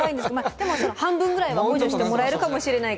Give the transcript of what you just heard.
でもその半分ぐらいは補助してもらえるかもしれないから。